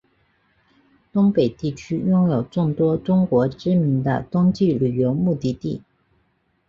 东北地区拥有众多中国知名的冬季旅游目的地。